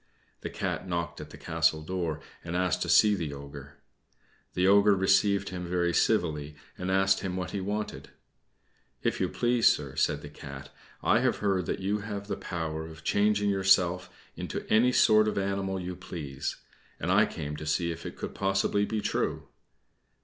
The Cat knocked at the castle door, and asked to see the Ogre. The Ogre received him very civilly, and asked him what he wanted. "If you please, sir," said the Cat, "I have heard that you have the power of changing yourself into any sort of animal you please and I came to see if it could possibly be true."